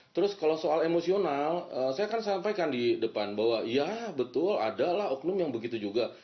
terus kalau soal emosional saya akan sampaikan di depan bahwa ya betul adalah oknum yang begitu juga